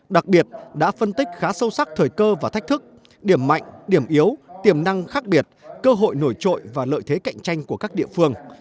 đặc biệt đã phân tích khá sâu sắc thời cơ và thách thức điểm mạnh điểm yếu tiềm năng khác biệt cơ hội nổi trội và lợi thế cạnh tranh của các địa phương